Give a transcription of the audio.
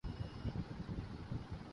میں اج رات کو اسے فون کروں گا